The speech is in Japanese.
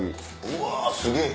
うわすげぇ。